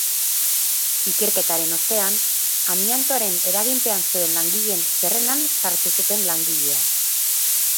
Ikerketaren ostean, amiantoaren eraginpean zeuden langileen zerrendan sartu zuten langilea.